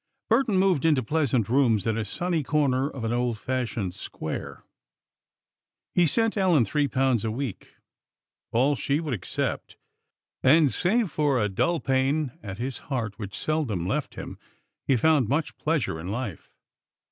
Burton moved into pleasant rooms in a sunny corner of an old fashioned square. He sent Ellen three pounds a week all she would accept and save for a dull pain at his heart which seldom left him, he found much pleasure in life.